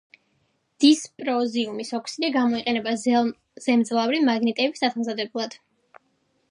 დისპროზიუმის ოქსიდი გამოიყენება ზემძლავრი მაგნიტების დასამზადებლად.